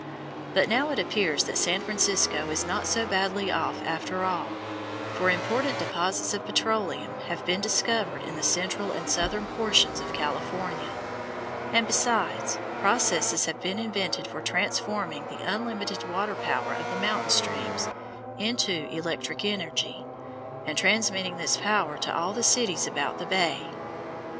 But now it appears that San Francisco is not so badly off after all, for important deposits of petroleum have been discovered in the central and southern portions of California; and besides, processes have been invented for transforming the unlimited water power of the mountain streams into electric energy, and transmitting this power to all the cities about the bay.